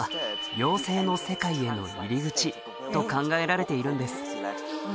妖精の世界への入り口と考えられているんです